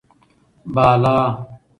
بالا: